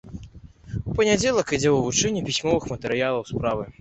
У панядзелак ідзе вывучэнне пісьмовых матэрыялаў справы.